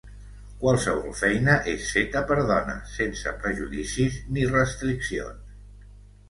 Qualsevol feina és feta per dones, sense prejudicis ni restriccions.